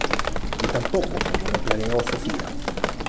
Ni tampoco como lo planeó Sofía.